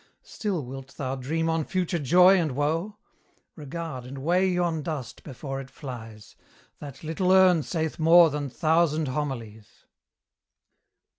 Still wilt thou dream on future joy and woe? Regard and weigh yon dust before it flies: That little urn saith more than thousand homilies.